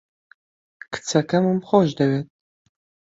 کچەکەمم خۆش دەوێت.